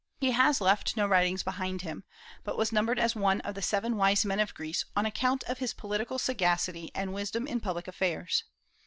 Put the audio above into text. He has left no writings behind him, but was numbered as one of the seven wise men of Greece on account of his political sagacity and wisdom in public affairs.